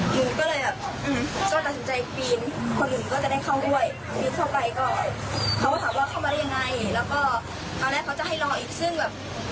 ตอนแรกเขาจะให้รออีกซึ่งแบบมันรอนานแล้วเมื่อ๑๑โมงแล้วค่ะ